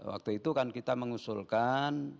waktu itu kan kita mengusulkan